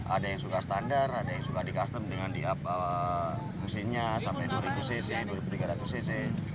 ada yang suka standar ada yang suka di custom dengan di up mesinnya sampai dua ribu cc dua ribu tiga ratus cc